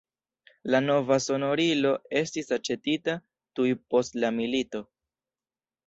La nova sonorilo estis aĉetita tuj post la milito.